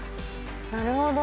なるほど。